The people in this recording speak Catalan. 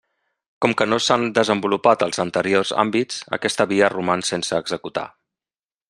Com que no s'han desenvolupat els anteriors àmbits, aquesta via roman sense executar.